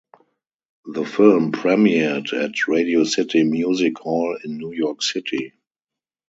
The film premiered at Radio City Music Hall in New York City.